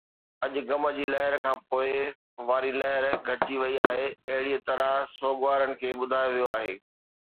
اڄ غم جي لهر کان پوءِ واري لهر گهٽجي وئي آهي، اهڙيءَ طرح سوڳوارن کي ٻڌايو ويو آهي